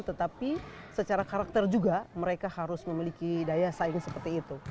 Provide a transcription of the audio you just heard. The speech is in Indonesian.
tetapi secara karakter juga mereka harus memiliki daya saing seperti itu